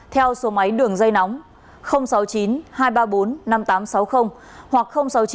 theo số máy đường dây nóng sáu mươi chín hai trăm ba mươi bốn năm nghìn tám trăm sáu mươi hoặc sáu mươi chín hai trăm ba mươi một một nghìn sáu trăm bảy